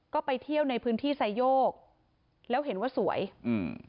ก็ไปเที่ยวในพื้นที่ไซโยกแล้วเห็นว่าสวยอืม